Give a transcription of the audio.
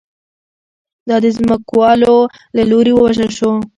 دا د ځمکوالو له لوري ووژل شو